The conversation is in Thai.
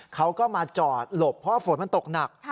เขาก็มาจอดหลบเพราะว่าฝนมันตกหนัก